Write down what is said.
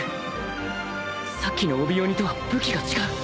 さっきの帯鬼とは武器が違う